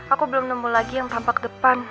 aku belum nemu lagi yang tampak depan